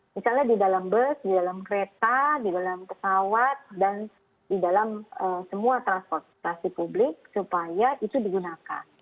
misalnya di dalam bus di dalam kereta di dalam pesawat dan di dalam semua transportasi publik supaya itu digunakan